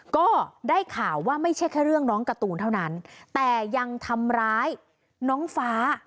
ก็ได้ข่าวว่าไม่ใช่แค่เรื่องน้องการ์ตูนเท่านั้นแต่ยังทำร้ายน้องฟ้า